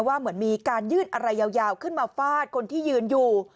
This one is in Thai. เหมือนมีการยื่นอะไรยาวขึ้นมาฟาดคนที่ยืนอยู่